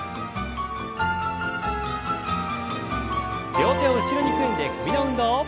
両手を後ろに組んで首の運動。